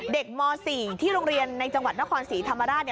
ม๔ที่โรงเรียนในจังหวัดนครศรีธรรมราช